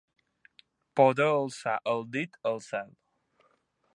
Poder alçar el dit al cel.